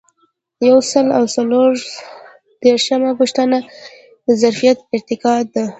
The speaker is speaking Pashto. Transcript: یو سل او څلور دیرشمه پوښتنه د ظرفیت ارتقا ده.